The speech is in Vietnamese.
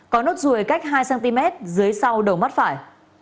có nốt ruồi cách hai cm dưới sau đầu mắt phải